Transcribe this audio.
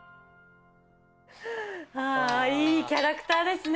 はぁいいキャラクターですね。